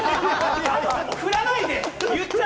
振らないで。